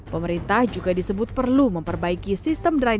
pemerintah juga disebut perlu memperbaiki sistem dry nasa